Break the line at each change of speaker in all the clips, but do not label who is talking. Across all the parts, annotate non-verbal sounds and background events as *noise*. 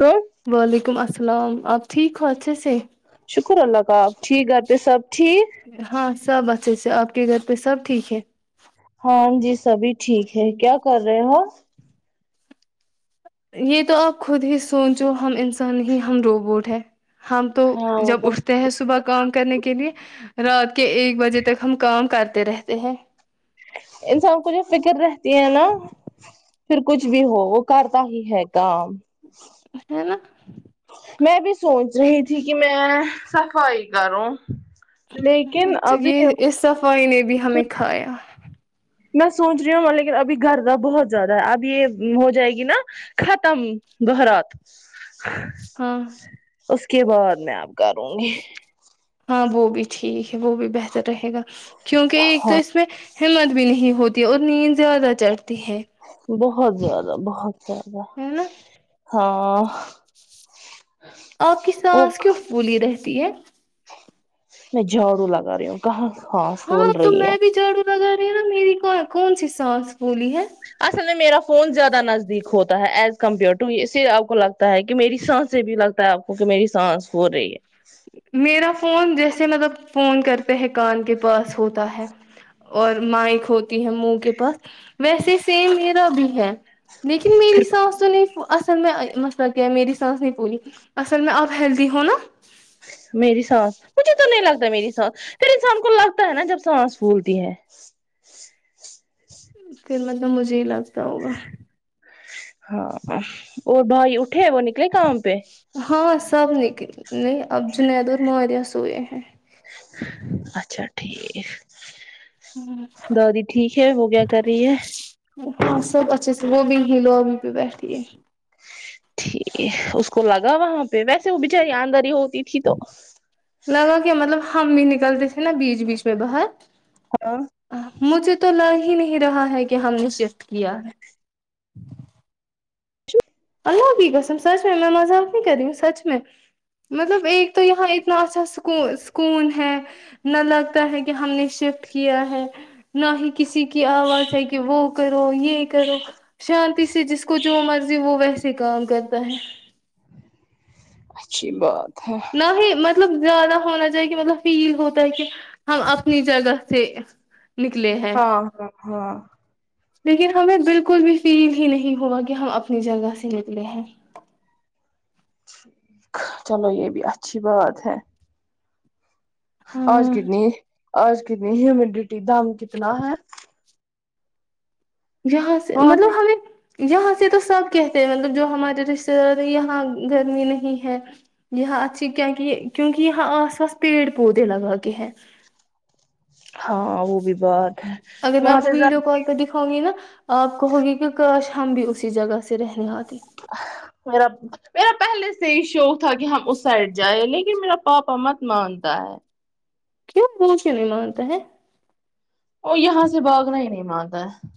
تو
وعلیکم السلام آپ ٹھیک ہو اچھے سے
شکر اللہ کا آپ ٹھیک گھر پہ سب ٹھیک
ہاں سب اچھے سے آپ کے گھر پہ سب ٹھیک ہے
ہاں جی سبھی ٹھیک ہے کیا کر رہے ہو
یہ تو آپ خود ہی سوچو ہم انسان نہیں ہم روبوٹ ہے ہم تو
ہاں
جب اٹھ تے ہیں صبح کام کرنے کے لیے رات کے ایک بجے تک ہم کام کرتے رہتے ہیں
انسان کو جو فکر رہتی ہے نا پھر کچھ بھی ہو وہ کرتا ہی ہے کام
ہے نا
میں بھی سوچھ رہی تھی کہ میں صفائی کروں لیکن
اچھا
ابھی
یہ اس صفائی نے بھی ہمیں کھایا
میں سوچ رہی ہوں لیکن ابھی گھر بہت زیادہ ہے اب یہ ہو جائے گی نا ختم بہرات
ہاں
اس کے بعد میں اب کروں گی
ہاں وہ بھی ٹھیک ہے وہ بھی بہتر رہے گا کیونکہ ایک تو
ہاں
اس میں ہمت بھی نہیں ہوتی اور نیند زیادہ چڑھتی ہے
بہت زیادہ بہت زیادہ
ہے نا
ہاں
آپ کی
وہ
سانس کیوں پھولی رہتی ہے
میں جھاڑو لگا رہی ہوں کہاں سانس پھول
ہاں تو
رہی ہے
میں بھی جھاڑو لگا رہے نا میری کو کون سی سانس پھولی ہے
اصل میں میرا فون زیادہ نزدیک ہوتا ہے ایز کمپیئر ٹو اس سے آپ کو لگتا ہے کہ میری سانس سے بھی لگ آپ کو کہ میری سانس پھول رہی ہے
میرا فون جیسے مطلب فون کرتے ہیں کان کے پاس ہوتا ہے اور مائک ہوتی ہے منہ کے پاس ویسے سیم میرا بھی ہے لیکن میری
پھر
سانس تو نہیں اصل میں مسئلہ کیا ہے میری سانس نہیں پھولی اصل میں آپ ہیلدی ہو نا
میری سانس مجھے تو نہیں لگتا میری سانس پھر انسان کو لگتا ہے نا جب سانس پھولتی ہے
پھر مطلب مجھے ہی لگتا ہوگا
ہاں اور بھائی اٹھے وہ نکلے کام پہ
ہاں سب لیکن اب جنید اور ماریہ سوئے ہیں
اچھا ٹھیک ہے دادی ٹھیک ہے وہ کیا کر رہی ہے
ہاں سب اچھے سے وہ بھی ہی لوبی پہ بیٹھی ہے
اس کو لگا وہاں پہ ویسے وہ بچاری آمداری ہوتی تھی تو
لگا کے مطلب ہم بھی نکلتے تھے نا بیچ بیچ میں باہر
ہاں
مجھے تو لگ ہی نہیں رہا ہے کہ ہم نے شفت کیا ہے اللہ کی قسم سچ میں میں مذاق نہیں کر رہی ہوں سچ میں مطلب ایک تو یہاں اتنا اچھا سکون سکون ہے نہ لگتا ہے کہ ہم نے شفٹ کیا ہے نہ ہی کسی کی آواز ہے کہ وہ کرو یہ کرو شانتی سے جس کو جو مرضی وہ ویسے کام کرتا ہے
اچھی بات ہے
نہیں مطلب زیادہ ہونا چاہیے کہ مطلب فیل ہوتا ہے کہ ہم اپنی جگہ سے نکلے ہے
ہاں ہاں ہاں
لیکن ہمیں بالکل بھی فیل ہی نہیں ہوا کہ ہم اپنی جگہ سے نکلے ہیں
ٹھیک چلو یہ بھی اچھی بات ہے آج
ہاں
کتنی آج کتنی ہمیوڈٹی دم کتنا ہے
جہاں سے
وہاں پہ
مطلب ہمیں یہاں سے تو سب کہتے ہیں مطلب جو ہمارے رشتے دار ہیں یہاں گرمی نہیں ہے یہاں اچھی کیا کہ کیونکہ یہاں آس پاس پیڑ پودے لگا کے ہیں
ہاں وہ بھی بات ہے
اگر میں
وہاں
آپ کو
سے زیادہ
ویڈیو کال پر ہوگی نا آپ کہوگی کہ کاش ہم بھی اسی جگہ سے رہنے آتے
میرا میرا پہلے سے ہی شوق تھا کہ ہم اس سائڈ جائ لیکن میرا پاپا مت مانتا ہے
کیوں بوشی نہیں مانتے ہے
وہ یہاں سے باگنا ہی نہیں مانتا ہے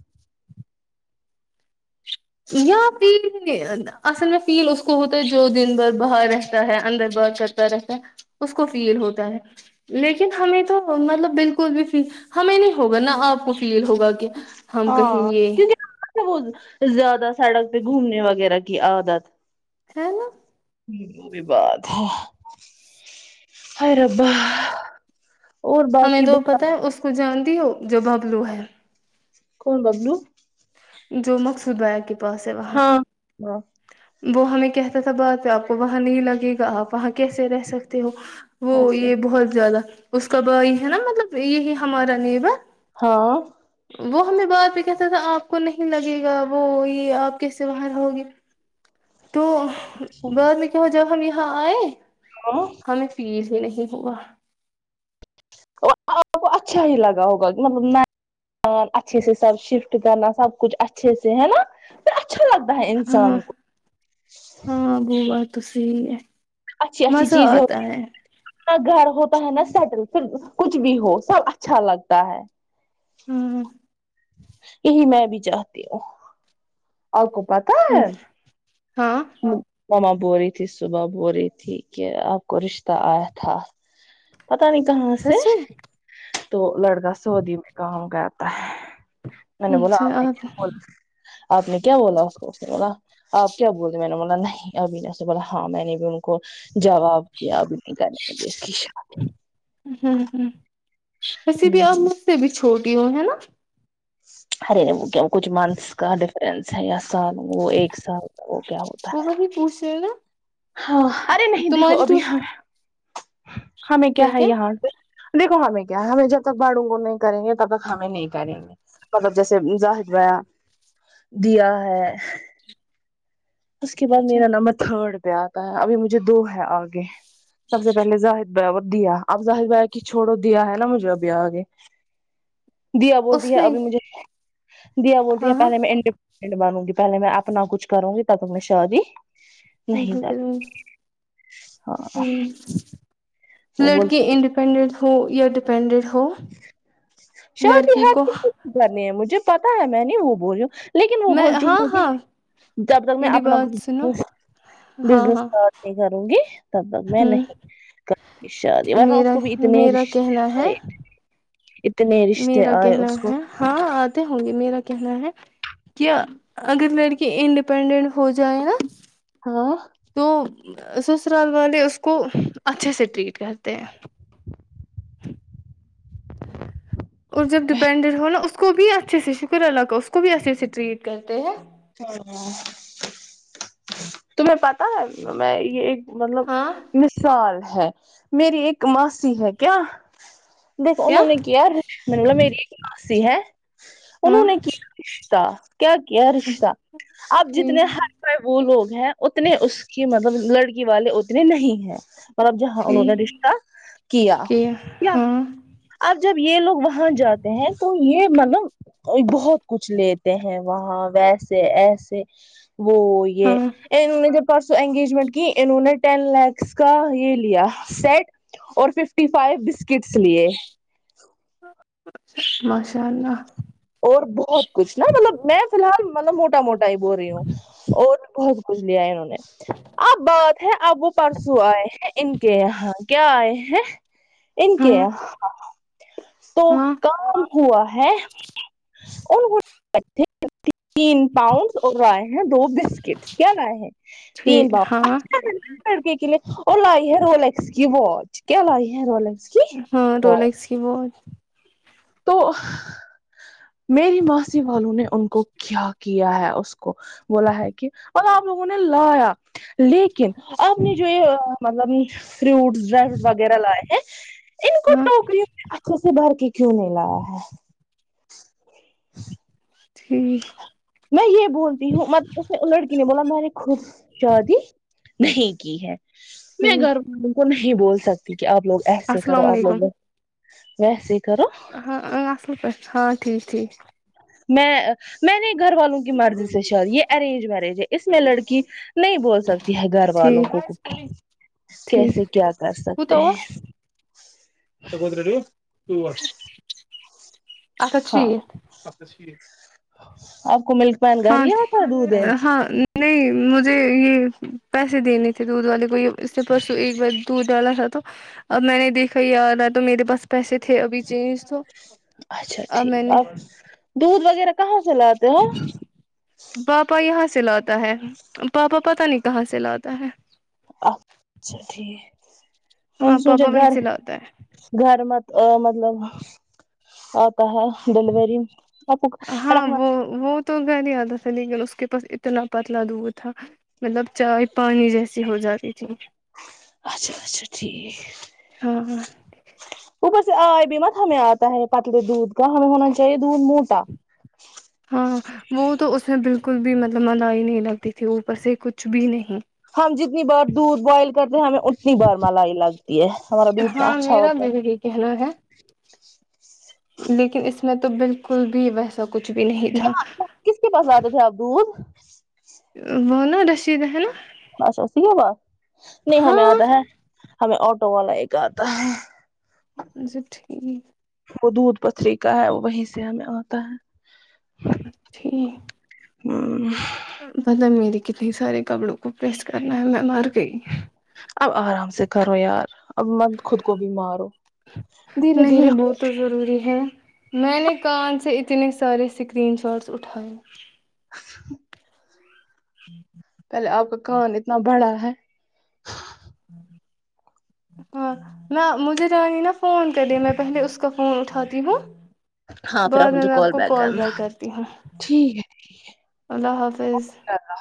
یا پھر اصل میں فیل اس کو ہوتا ہے جو دن بھر باہر رہتا ہے اندر با ہر رہتا ہے اس کو فیل ہوتا ہے لیکن ہمیں تو مطلب بالکل بھی فیل ہمیں نہیں ہوگا نہ آپ کو فیل ہوگا کہ ہم کہیں
ہاں
یہ
کیونکہ وہ زیادہ سڑک پہ گھومنے وغیرہ کی عادت
خانا
ہمم وہ بھی بات ہے ہاے ربا اور
ہمیں
باقی
تو پتہ ہے اس کو جانتی ہو جو ببلو ہے
کون ببلو
جو مقصود بھایا کے پاس ہے وہاں
ہاں ہاں
وہ ہمیں کہتا تھا بات آپ کو وہاں نہیں لگے گا آپ وہاں کیسے رہ سکتے ہو وہ
اچھا
یہ بہت زیادہ اس کا بھائی ہے نا مطلب یہی ہمارا نیبر
ہاں
وہ ہمیں بعد پہ کہتا تھا آپ کو نہیں لگے گا وہ یہ آپ کیسے وہاں رہو گے تو بعد میں کیا جب ہم یہاں آئے
ہاں
ہمیں فیل ہی نہیں ہوا
آپ کو اچھا ہی لگا ہوگا کہ مطلب میں اچھے سے سب شفٹ کرنا سب کچھ اچھے سے ہے نا پھر اچھا لگتا ہے
ہاں
انسان کو
ہاں بات تو صحیح ہے
اچھی اچھی
مزہ
چیزیں
آتا ہے
گھر ہوتا ہے نا سیٹل پھر کچھ بھی ہو سب اچھا لگتا ہے
ہوں
یہی میں بھی چاہتی ہوں اور کو پتا ہے
ہاں
ماما بول رہی تھی صبح بول رہی تھی کہ آپ کو رشتہ آیا تھا پتا نہیں کہاں سے
سچ میں
تو لڑکا سعودی میں کہاں گیا میں نے بولا آپ نے کیا ب آپ نے کیا بولا اس کو بولا آپ کیا بول میں نے بولا نہیں ابھی نے سے بولا ہاں میں نے بھی ان کو جواب کیا آب بھی نہیں کانے مجھے اس کی ش
ہمم ہمم ویسے بھی اپ
ہوں
مجھ سے بھی چھوٹی ہوں ہے نا
ارے وہ کیا کچھ منتھس کا ڈفرنس ہے یا سال وہ ایک سال وہ کیا ہوتا ہے
پشا
ہاں ارے نہیں دیکھو ابھی ہم ہمیں کیا ہے یہاں سے دیکھو ہمیں کیا ہے ہمیں جب تک باڑوں کو نہیں کریں گے کبک ہمیں نہیں کریں گے ملب جیسے زاہد بیا دیا ہے اس کے بعد
اچھا
میرا نمبر تھرڈ پہ آتا ہے ابھی مجھے دو ہے آگے سب سے پہلے ظاہر دوات دیا اب ظاہر ب کہ چھڑو دیا ہے نا مجھے ابھی آگے دیا بولتی
اس
ہے
میں
ابھی مجھے دیا بولتی
ہاں
ہے
ہاں
پہلے میں انڈیپینڈنٹ بنوں گی پہلے میں اپنا کچھ کروں گی تب تک میں شادی نہیں کرتی ہاں
*unintelligible*
وہ بول
لڑکے انڈیپینڈنٹ ہو یا ڈیپینڈنٹ ہو
شادی
لڑکی
ہ
کو
کرھرنی ہے مجھے پتا ہے میں نہیں وہ بولوں لیکن وہ
میں
بولتی
ہاں
ہیں کہ
ہاں
جب تک میں
میری
اپنا
بات سنو
کچھ
ہاں
بزنس
ہاں
اسٹارٹ نہیں کروں گی تب تک میں
ہوں
نہیں شادی ورنہ اس
میرا
کو بھی اتنے
میرا
رشتے
کہنا ہے
آے
میرا کہنا
اس کو
ہے ہاں آتے ہوں گے میرا کہنا ہے کیا اگر لڑکی انڈیپینڈنٹ ہو جائے نا
ہاں
تو سسرال والے اس کو اچھے سے ٹریٹ کرتے ہیں اور جب ڈیپینڈٹ ہو نا اس کو بھی اچھے سے شکر اللہ کا اس کو بھی اچھے سے ٹریٹ کرتے ہیں
ہاں *unintelligible* تمہیں پتا ہے میں یہ ایک مطلب
ہاں
مثال ہے میری ایک ماسی ہے کیا دیک اننوں نے کیا *inaudible* م ل میری ایک ماسی ہے انہوں
ہاں
نے کیا رشتہ کیا کیا رشتہ اب جتنے
ٹھیک
ہر وہ لوگ ہیں اتنے اس کی مطلب لڑکی والے اتنے نہیں ہیں مطلب جہاں انہوں نے
ٹھیک
رشتہ کیا کیا اب جب یہ لوگ وہاں جاتے ہیں تو یہ مطلب بہت کچھ لیتے ہیں وہاں ویسے ایسے وہ یہ
ہاں
جب پرسو انگیجمنٹ کی انہوں نے ٹین لیکس کا یہ لیا سیٹ اور ففٹی فائیو بسکٹس لیے
ماشاء اللہ
اور بہت کچھ نا مطلب میں فی الحال مطلب موٹا موٹا ہی بول رہی ہوں اور بہت کچھ کچھ لیا ہے انہوں نے اب بات ہے اب وہ پرسوں آئے ہیں ان کے یہاں کیا آئے ہیں ان کے
ہاں
تو
ہاں
کام ہوا ہے اور ے *inaudible* ففین پاؤڈ اور رائے ہیں دو بسکٹس کیا رائے ہیں تین
ٹھیک
باپ
ہاں
لڑکے کے لیے اور لائی ہے رولیکس کی واچ کیا لائی ہے رولس
ہاں رولیکس کی واچ
تو میری ماسی والوں نے ان کو کیا کیا ہے اس کو بولا ہے کہ اور آپ لوگوں نے لایا لیکن آپ نے جو یہ ا ا مطلب فروٹس ڈر وغیرہ لائے ہیں ان کو
ہاں
ٹوکریوں میں اکھوں سے بھر کے کیوں نہیں لایا ہے
ٹھیک
میں یہ بولتی ہوں مطب اس نے لڑکی نے بولا مری خود شادی نہیں کی ہے میں
ٹھیک
گھر والوں کو نہیں بول سکتی کہ آپ لوگ ایسے کرو
السلام
آپ
علیکم
لوگ ویسے ہی کرو
ہاں ہاں *unintelligible* ال پ ہاں ٹھیک ٹھیک
میں میں نے گھر والوں کی مرضی سے شادی یہ ارینج میرج ہے اس میں لڑکی نہیں بول سک تی ہے گھر والوں کو
ٹھیک ٹھیک
کیسے کیا کر سکتے ہیں
*inaudible* اب اچھی
ہاں
ہے
آپ کو ملک مین گھر ہی آتا ہے دودھ دینے
ہاں نہیں مجھے یہ پیسے دینے تھے دودھ والے کو یہ اس سے پرسوں ایک بار دودھ ڈالا تھا تو اب میں نے دیکھا یاد آ تو میرے پاس پیسے تھے ابھی چینج تو
اچھا
اب
ٹھیک
میں نے
آ دودھ وغیرہ کہاں سے لاتے ہو
بابا یہاں سے لاتا ہے پاپا پتہ نہیں کہاں سے لاتا ہے
اچھا ٹھیک میں نے
ہاں
سوچا
پاپا وہیں
گھر
سے لاتا ہے
گھر مت مطلب آتا ہے ڈلیوری
ہاں
*unintelligible*
وہ وہ تو گھر نہیں آتا تھا لیکن اس کے پاس اتنا پتلا دودھ تھا مطلب چائے پانی جیسی ہو جاتی تھی
اچھا اچھا ٹھیک
ہاں ہاں
اوبر سے آئے بھی مت ہمیں آتا ہے پتلے دودھ کا ہمیں ہونا چاہیے دودھ موٹا
ہاں وہ تو اس میں بالکل بھی مطلب ملائی ہی نہیں ڈالتی تھی اوپر سے کچھ بھی نہیں
ہم جتنی بار دودھ بوائل کرتے ہیں ہمیں اتنی بار ملائی لگتی ہے ہمارا دودھ اچھا ہوتا ہے
یہ کہنا ہے لیکن اس میں تو بالکل بھی ویسا کچھ بھی نہیں تھا
یہ کس کے پاس آتے تھے آپ دودھ
وہ نا رشید ہے نا
اچھا صحیح ہے بات نہیں ہمیں
ہاں
آتا ہے ہمیں آٹو والا ایک آتا ہے
ہاں سب ٹھیک
وہ دودھ پتھری کا ہے وہی سے ہمیں آتا ہے
ٹھیک
ہوں
پتہ ہے میری کتنی سارے کپڑوں کو پریس کرنا ہے میں مر گئی
اب آرام سے کرو یار اب مت خود کو بھی مارو دھیرے
نہیں
دھیرے
وہ تو ضروری ہے میں نے کہاں سے اتنے سارے اسکرین شاٹس اٹھائے
*inaudible* پہلے آپ کا کان اتنا بڑا ہے
ہاں نا مجھے راہینا فون کررہی ہے میں پہلے اس کا فون اٹھاتی ہوں
ہاں پھر
بعد میں
مجھے
میں آپ کو کال
کرنا
بیک کرتی ہوں
ٹھیک
اللہ حافظ
یا اللہ